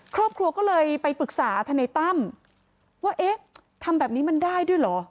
ครอบครัวก็เลยไปปรึกษาทนายตั้มว่าเอ๊ะทำแบบนี้มันได้ด้วยเหรอ